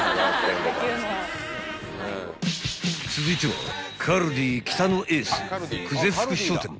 ［続いては］